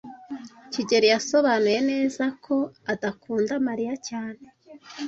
kigeli yasobanuye neza ko adakunda Mariya cyane.